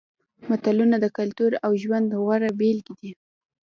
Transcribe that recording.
متلونه د کلتور او ژوند غوره بېلګې دي